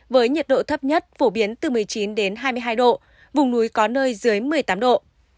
với nhiệt độ thấp nhất phổ biến từ một mươi chín đến hai mươi hai độ vùng núi có nơi dưới một mươi tám độ